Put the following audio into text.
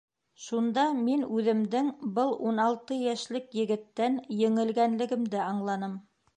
Шунда мин үҙемдең был ун алты йәшлек егеттән еңелгән-легемде аңланым.